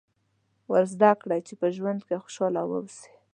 ور زده کړئ چې په ژوند کې خوشاله واوسي.